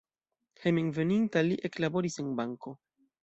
Hejmenveninta li eklaboris en banko.